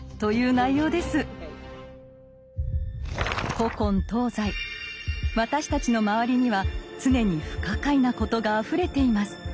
古今東西私たちの周りには常に不可解なことがあふれています。